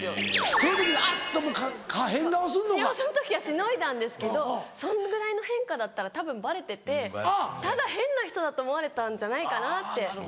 一応その時はしのいだんですけどそのぐらいの変化だったらたぶんバレててただ変な人だと思われたんじゃないかなって。